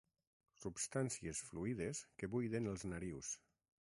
Substàncies fluïdes que buiden els narius.